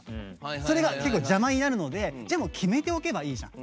それが結構、邪魔になるので決めておけばいいじゃん。